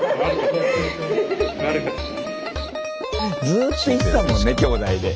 ずっと言ってたもんね兄弟で。